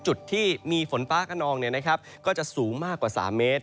จุดที่มีฝนฟ้ากระนองก็จะสูงมากกว่า๓เมตร